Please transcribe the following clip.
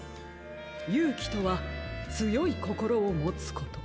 「ゆうき」とはつよいこころをもつこと。